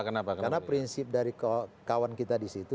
karena prinsip dari kawan kita disitu